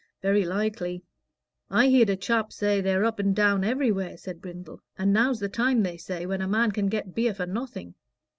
"Very likely." "I heared a chap say they're up and down everywhere," said Brindle; "and now's the time, they say, when a man can get beer for nothing."